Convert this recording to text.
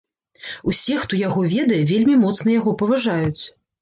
Усе, хто яго ведае, вельмі моцна яго паважаюць.